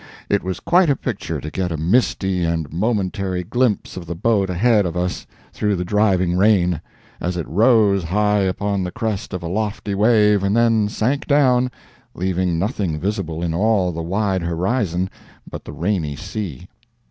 It was quite a picture to get a misty and momentary glimpse of the boat ahead of us through the driving rain, as it rose high upon the crest of a lofty wave, and then sank down, leaving nothing visible in all the wide horizon but the rainy sea.